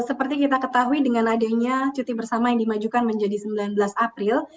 seperti kita ketahui dengan adanya cuti bersama yang dimajukan menjadi sembilan belas april